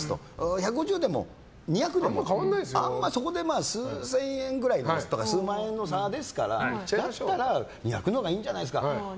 １５０でも２００でもあんまそこまで数千円くらい数万円の差ですからだったら２００のほうがいいんじゃないかって。